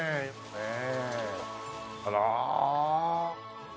ねえ。